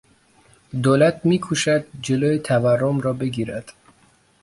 دولت میکوشد جلو تورم را بگیرد.